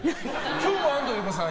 今日も安藤優子さん